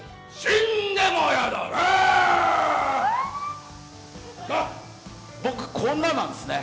死んでもやだね。